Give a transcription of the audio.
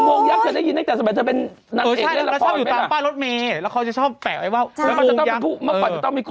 อุโมงยักษ์เธอได้ยินเมื่อกว่ะตอนที่เธอเป็นหนัก